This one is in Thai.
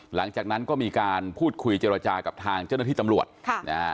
หลังจากนั้นก็มีการพูดคุยเจรจากับทางเจ้าหน้าที่ตำรวจค่ะนะฮะ